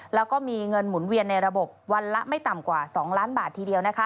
แล้วก็มีเงินหมุนเวียนในระบบวันละไม่ต่ำกว่า๒ล้านบาททีเดียว